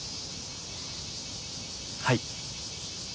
はい。